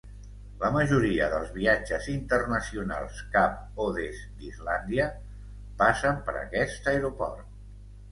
La majoria dels viatges internacionals cap o des d'Islàndia passen per aquest aeroport.